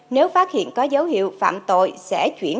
nếu phát hiện có dấu hiệu phạm tội sẽ chuyển